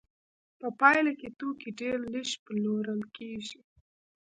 په پایله کې توکي ډېر لږ پلورل کېږي